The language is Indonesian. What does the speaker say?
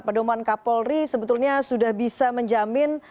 pedoman nk polri sebetulnya sudah bisa menjamin